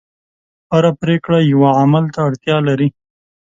هره پرېکړه یوه عمل ته اړتیا لري.